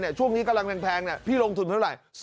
ช่วงนี้กำลังแพงพี่ลงทุนเท่าไหร่